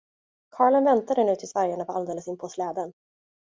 Karlen väntade nu tills vargarna var alldeles inpå släden.